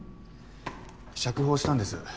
釈放したんです。